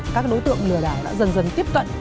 các đối tượng lừa đảo đã dần dần tiếp cận